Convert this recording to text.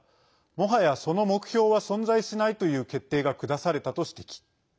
もはや、その目標は存在しないという決定が下されたと指摘。